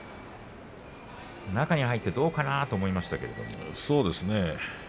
中に入ってどうかなと思いましたけれどもね。